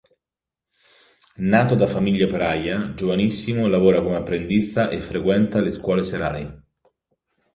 Nato da famiglia operaia, giovanissimo lavora come apprendista e frequenta le scuole serali.